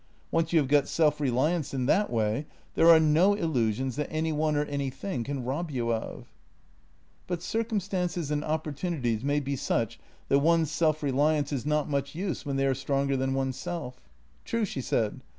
Once you have got self reliance in that way, there are no illusions that any one or anything can rob you of." " But circumstances and opportunities may be such that one's self reliance is not much use when they are stronger than oneself." "True," she said.